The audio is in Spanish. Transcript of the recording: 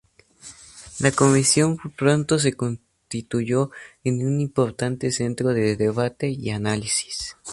La Comisión pronto se constituyó en un importante centro de debate y análisis.